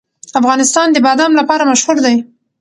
افغانستان د بادام لپاره مشهور دی.